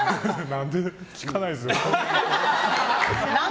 何で聞かないです。